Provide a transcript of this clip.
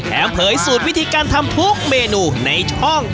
เผยสูตรวิธีการทำทุกเมนูในช่อง